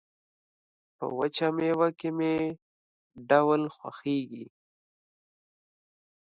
په وچه مېوه کې مې ډول خوښيږي